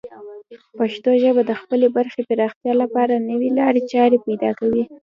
پښتو ژبه د خپلې برخې پراختیا لپاره نوې لارې چارې پیدا کوي.